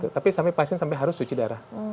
tapi sampai pasien sampai harus cuci darah